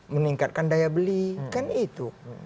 meningkatkan daya beli kan itu